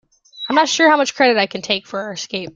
I'm not sure how much credit I can take for our escape.